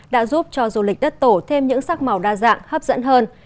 đã giúp cho du lịch đất tổ thêm những sắc màu đa dạng hấp dẫn hơn